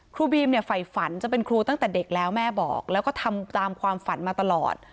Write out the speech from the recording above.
ครูบีมเนี่ยฝ่ายฝันจะเป็นครูตั้งแต่เด็กแล้วแม่บอกแล้วก็ทำตามความฝันมาตลอด